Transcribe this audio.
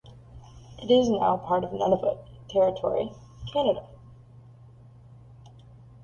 It is now part of Nunavut Territory, Canada.